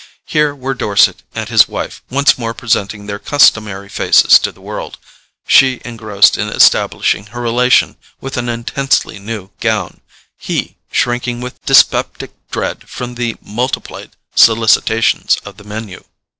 Here were Dorset and his wife once more presenting their customary faces to the world, she engrossed in establishing her relation with an intensely new gown, he shrinking with dyspeptic dread from the multiplied solicitations of the MENU.